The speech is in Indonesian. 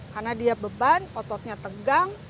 karena dia beban ototnya tegang